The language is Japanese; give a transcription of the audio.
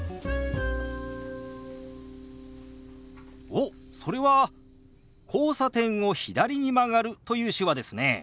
おっそれは「交差点を左に曲がる」という手話ですね。